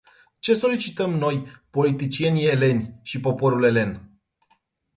Ce solicităm noi, politicienii eleni, și poporul elen?